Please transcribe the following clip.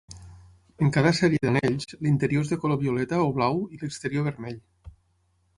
En cada sèrie d’anells, l’interior és de color violeta o blau i l’exterior vermell.